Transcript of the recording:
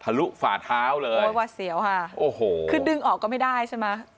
ทะลุฝ่าเท้าเลยว่าเสียวค่ะคือดึงออกก็ไม่ได้ใช่ไหม